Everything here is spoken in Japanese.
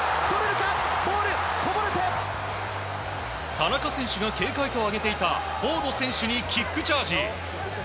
田中選手が警戒と挙げていたフォード選手にキックチャージ。